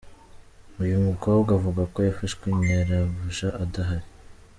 Uyu mukobwa avuga ko yafashwe nyirabuja adahari.